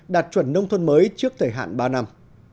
đạt chuẩn nông thôn mới trước thời hạn ba năm